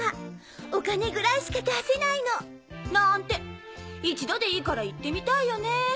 お金ぐらいしか出せないの。なんて一度でいいからいってみたいよね！